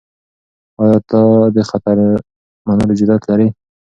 آیا ته د خطر منلو جرئت لرې؟